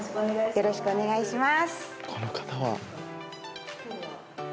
よろしくお願いします。